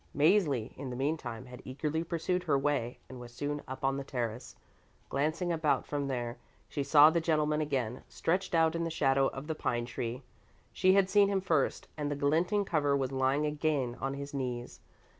Mäzli in the meantime had eagerly pursued her way and was soon up on the terrace. Glancing about from there, she saw the gentleman again, stretched out in the shadow of the pine tree, as she had seen him first, and the glinting cover was lying again on his knees.